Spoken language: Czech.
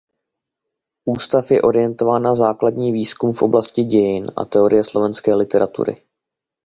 Ústav je orientován na základní výzkum v oblasti dějin a teorie slovenské literatury.